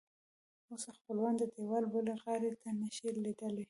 اوس خپلوان د دیوال بلې غاړې ته نه شي لیدلی.